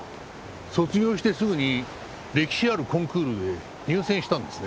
卒業してすぐに歴史あるコンクールで入選したんですね？